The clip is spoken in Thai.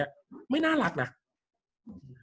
กับการสตรีมเมอร์หรือการทำอะไรอย่างเงี้ย